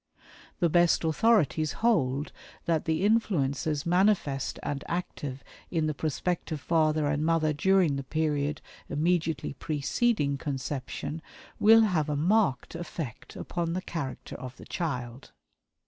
The best authorities hold that the influences manifest and active in the prospective father and mother during the period immediately preceding conception will have a marked effect upon the character of the child.